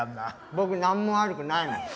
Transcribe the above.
僕何も悪くないもん。